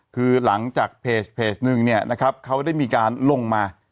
คือหลังจากเพจเพจหนึ่งเขาได้มีการลงมา